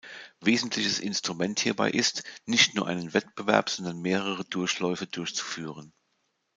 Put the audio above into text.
Wesentliches Instrument hierbei ist, nicht nur einen Wettbewerb, sondern mehrere Durchläufe durchzuführen.